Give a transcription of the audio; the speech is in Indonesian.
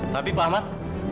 tapi pak ahmad